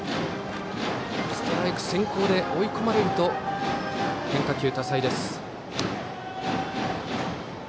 ストライク先行で追い込まれると変化球、多彩です。